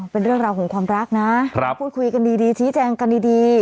เป็นเรื่องราวของความรักนะพูดคุยกันดีชี้แจงกันดี